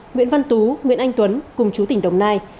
nguyễn văn tú nguyễn anh tuấn cùng chú tỉnh đồng nai